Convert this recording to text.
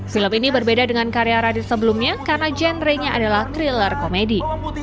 film ini berbeda dengan karya raditya sebelumnya karena genre nya adalah thriller komedi